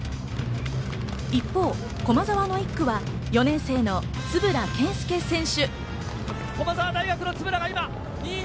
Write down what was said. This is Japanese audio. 一方、駒澤の１区は４年生の円健介選手。